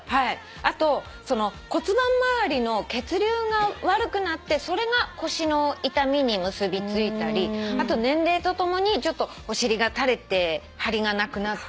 あと骨盤回りの血流が悪くなってそれが腰の痛みに結び付いたりあと年齢とともにお尻が垂れて張りがなくなったりとか。